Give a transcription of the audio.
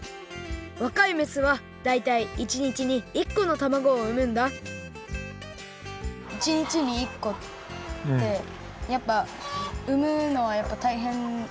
わかいめすはだいたい１日に１このたまごをうむんだ１日に１こってやっぱうむのはやっぱたいへん。